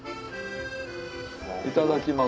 いただきます。